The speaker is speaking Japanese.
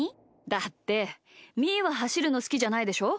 だってみーははしるのすきじゃないでしょ？